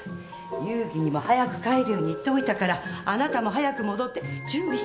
友貴にも早く帰るように言っておいたからあなたも早く戻って準備しなくちゃ。